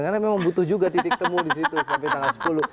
karena memang butuh juga titik temu di situ sampai tanggal sepuluh